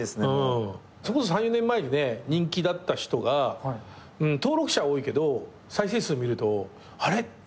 それこそ３４年前にね人気だった人が登録者多いけど再生数見るとあれ？みたいのが。